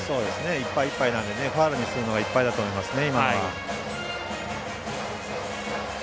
いっぱいいっぱいなのでファウルにするのがいっぱいだと思いますね。